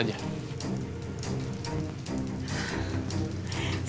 sebentar ya ganteng